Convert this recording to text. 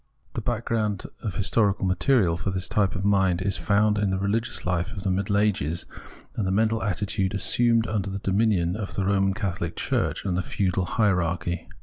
The background of historical material for this type of mind is found in the religious life of the Middle Ages and the mental attitude assumed under the dominion of the Roman Catholic Church and the Peudal Hierarchy.